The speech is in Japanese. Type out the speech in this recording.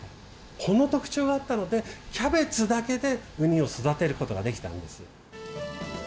この特徴があったのでキャベツだけでウニを育てることができたんです。